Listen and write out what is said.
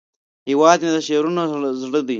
هیواد مې د شعرونو زړه دی